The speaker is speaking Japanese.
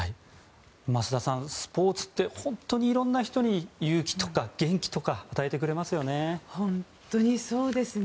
増田さん、スポーツって本当に色んな人に勇気とか元気とかを与えてくれますよね。